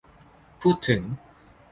พูดถึง